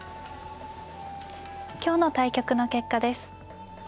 今日の対局の結果です。